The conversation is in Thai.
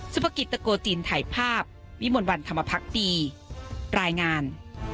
ภกิจตะโกจินถ่ายภาพวิมวลวันธรรมพักดีรายงาน